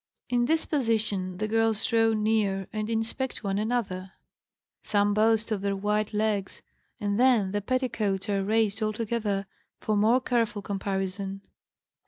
In this position, the girls draw near and inspect one another; some boast of their white legs, and, then the petticoats are raised altogether for more careful comparison.